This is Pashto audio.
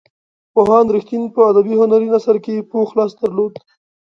پوهاند رښتین په ادبي هنري نثر کې پوخ لاس درلود.